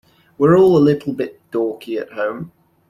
We're all a little bit dorky at home.